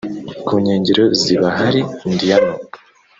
ku nkengera z'ibahari Indiyano